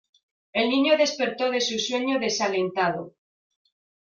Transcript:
El niño despertó de su sueño desalentado.